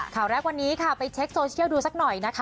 ข่าวแรกวันนี้ค่ะไปเช็คโซเชียลดูสักหน่อยนะคะ